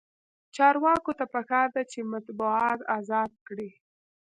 چارواکو ته پکار ده چې، مطبوعات ازاد کړي.